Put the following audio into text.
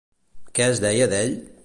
Què es deia d'ell?